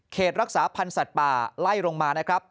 รักษาพันธ์สัตว์ป่าไล่ลงมานะครับ